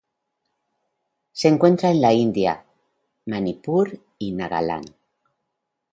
Se encuentra en la India: Manipur y Nagaland.